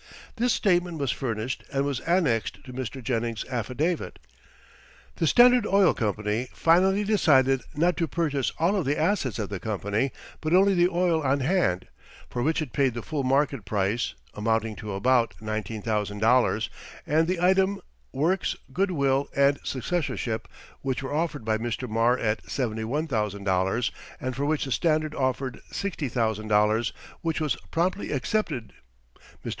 This statement was furnished and was annexed to Mr. Jennings's affidavit. The Standard Oil Company finally decided not to purchase all of the assets of the company, but only the oil on hand, for which it paid the full market price, amounting to about $19,000, and the item "works, good will, and successorship," which were offered by Mr. Marr at $71,000, and for which the Standard offered $60,000, which was promptly accepted. Mr.